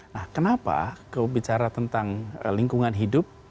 nah kenapa kau bicara tentang lingkungan hidup